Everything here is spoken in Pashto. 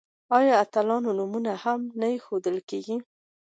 آیا د اتلانو نومونه هم نه ایښودل کیږي؟